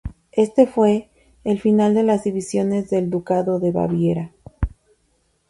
Este fue, el final de las divisiones del ducado de Baviera.